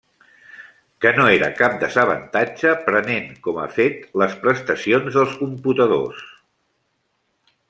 Que no era cap desavantatge prenent com a fet les prestacions dels computadors.